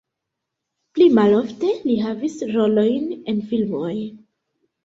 Pli malofte li havis rolojn en filmoj.